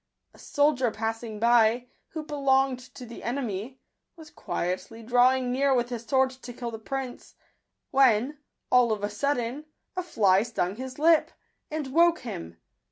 A soldier passing by, who belonged to the enemy, was quietly drawing near with his sword to kill the prince, when, all of a sudden, a fly stung his lip, and woke him.